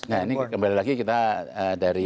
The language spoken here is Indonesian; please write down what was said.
nah ini kembali lagi kita dari